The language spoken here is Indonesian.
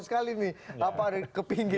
sekali nih ke pinggir pinggir